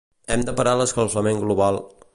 Hem de parar l'escalfament global